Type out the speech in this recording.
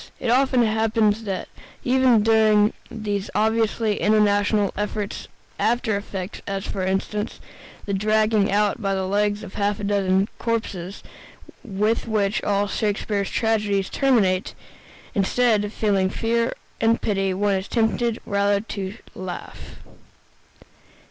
It often happens that even during these obviously intentional efforts after effect, as, for instance, the dragging out by the legs of half a dozen corpses, with which all Shakespeare's tragedies terminate, instead of feeling fear and pity, one is tempted rather to laugh.